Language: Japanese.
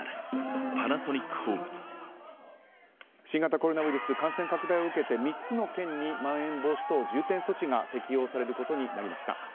新型コロナウイルス感染拡大を受けて３つの県にまん延防止等重点措置が適用されることになりました。